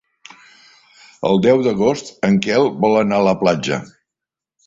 El deu d'agost en Quel vol anar a la platja.